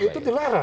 dan itu dilarang